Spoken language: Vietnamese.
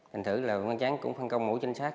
hình thử là văn chán cũng phân công mũi chính xác